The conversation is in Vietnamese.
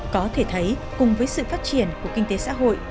có thể thấy cùng với sự phát triển của kinh tế xã hội